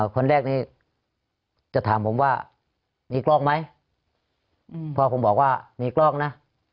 คนแรกนี้จะถามผมว่ามีกล้องไหมพ่อผมบอกว่ามีกล้องนะ